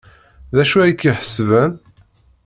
D acu ay k-iḥebsen?